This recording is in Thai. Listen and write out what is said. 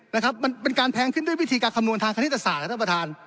เนี่ยครับมันเป็นการแพงขึ้นด้วยปฏิกาขำนวณธัยคณิตฐาศาสตร์นะครับประธาน